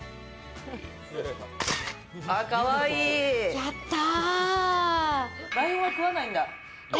やったー！